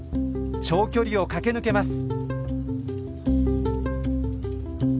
長距離を駆け抜けます。